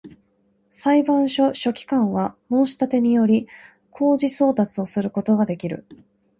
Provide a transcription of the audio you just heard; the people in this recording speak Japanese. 裁判所書記官は、申立てにより、公示送達をすることができる